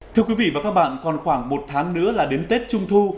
thưa quý vị và các bạn còn khoảng một tháng nữa là đến tết trung thu